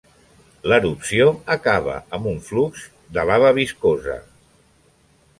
L'erupció acaba amb un flux de lava viscosa.